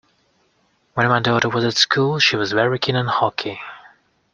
When my daughter was at school she was very keen on hockey